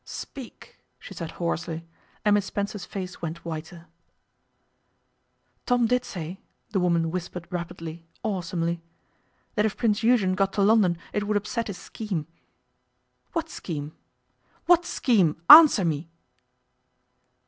'Speak,' she said hoarsely, and Miss Spencer's face went whiter. 'Tom did say,' the woman whispered rapidly, awesomely, 'that if Prince Eugen got to London it would upset his scheme.' 'What scheme? What scheme? Answer me.